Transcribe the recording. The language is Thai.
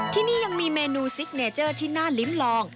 ที่นี่ยังมีเมนูซิกเนเจอร์ที่น่าลิ้มลอง